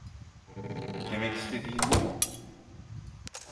Demek istediğin bu mu?